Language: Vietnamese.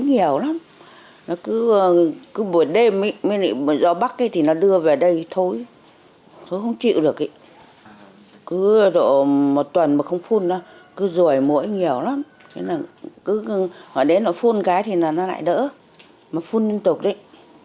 nó thối nghèo lắm cứ buổi đêm do bắc thì nó đưa về đây thối thối không chịu được cứ một tuần mà không phun ra cứ rủi mũi nghèo lắm hỏi đến nó phun cái thì nó lại đỡ mà phun liên tục đấy